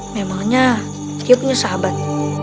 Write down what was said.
memangnya dia punya sahabat